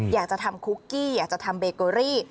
อยากจะทำคุกกี้อยากจะทำเบเกอรี่